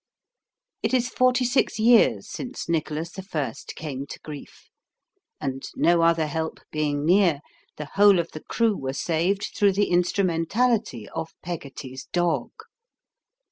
It is forty six years since Nicholas I. came to grief; and no other help being near, the whole of the crew were saved through the instrumentality of Peggotty's dog.